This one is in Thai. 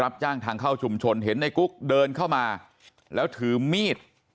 รับจ้างทางเข้าชุมชนเห็นในกุ๊กเดินเข้ามาแล้วถือมีด